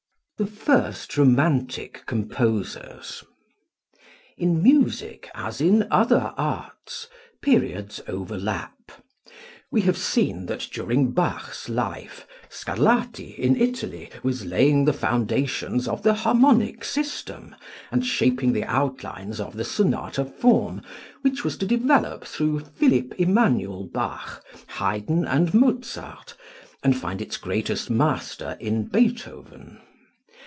The First Romantic Composers. In music, as in other arts, periods overlap. We have seen that during Bach's life Scarlatti in Italy was laying the foundations of the harmonic system and shaping the outlines of the sonata form which was to develop through Philipp Emanuel Bach, Haydn and Mozart and find its greatest master in Beethoven.